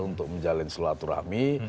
untuk menjalin seluatu rahmi